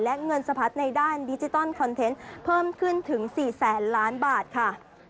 และเงินสะพัดในด้านดิจิตอลคอนเทนต์เพิ่มขึ้นถึง๔แสนล้านบาทค่ะ